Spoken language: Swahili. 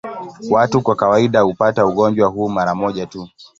Watu kwa kawaida hupata ugonjwa huu mara moja tu.